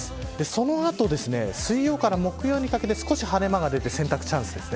その後、水曜から木曜にかけて少し晴れ間が出て洗濯チャンスです。